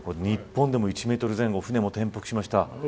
日本でも１メートル前後船も転覆しました。